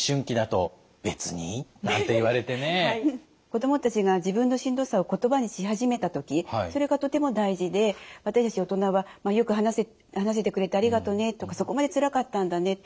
子どもたちが自分のしんどさを言葉にし始めた時それがとても大事で私たち大人は「よく話してくれてありがとうね」とか「そこまでつらかったんだね」